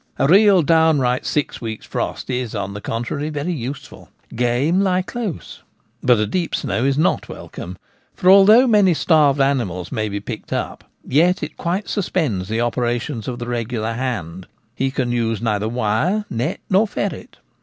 A real, downright six weeks' frost is, on the contrary, very useful — game lie close. But a deep snow is not wel come; for, although many starved animals may be picked up, yet it quite suspends the operations of the regular hand : he can neither use wire, net, nor ferret.